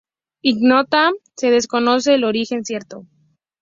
Ignota, se desconoce el origen cierto.